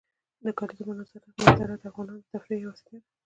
د کلیزو منظره د افغانانو د تفریح یوه وسیله ده.